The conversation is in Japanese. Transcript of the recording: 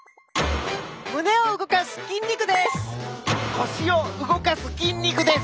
腰を動かす筋肉です！